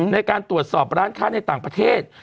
ในการตรวจสอบร้านค้าในต่างประเทศ